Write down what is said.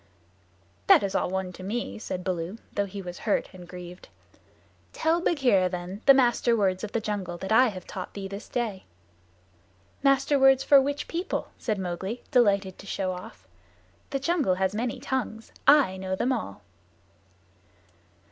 "That is all one to me," said Baloo, though he was hurt and grieved. "Tell Bagheera, then, the Master Words of the Jungle that I have taught thee this day." "Master Words for which people?" said Mowgli, delighted to show off. "The jungle has many tongues. I know them all."